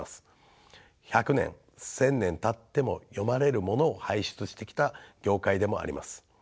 百年千年たっても読まれるものを輩出してきた業界でもあります。